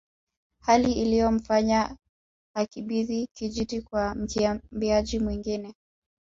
Hali iliyomfanya akabidhi kijiti kwa mkimbiaji mwingine